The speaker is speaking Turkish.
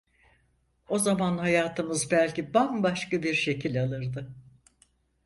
O zaman hayatımız belki bambaşka bir şekil alırdı.